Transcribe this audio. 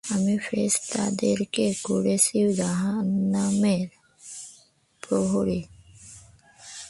আমি ফেরেশতাদেরকে করেছি জাহান্নামের প্রহরী।